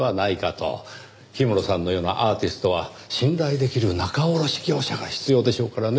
氷室さんのようなアーティストは信頼できる仲卸業者が必要でしょうからね。